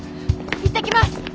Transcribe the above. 行ってきます！